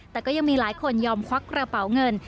แต่ก็ยังมีหลายคนยอมควักกระเป๋าเงิน